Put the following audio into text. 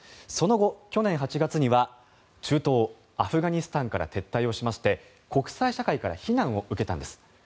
その後、去年８月には中東アフガニスタンから撤退しまして国際社会から非難を受けたんです。